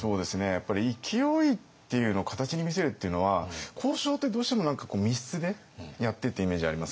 やっぱり勢いっていうのを形に見せるっていうのは交渉ってどうしても何か密室でやってっていうイメージありますけれども。